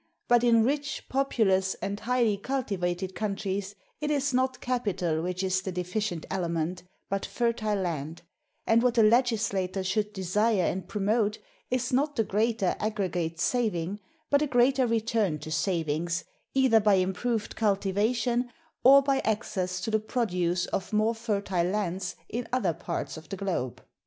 But in rich, populous, and highly cultivated countries, it is not capital which is the deficient element, but fertile land; and what the legislator should desire and promote, is not a greater aggregate saving, but a greater return to savings, either by improved cultivation, or by access to the produce of more fertile lands in other parts of the globe.